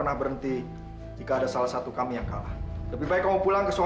sampai jumpa di video selanjutnya